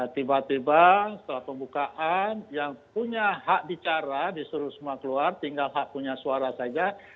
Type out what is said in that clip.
tiba tiba setelah pembukaan yang punya hak bicara disuruh semua keluar tinggal hak punya suara saja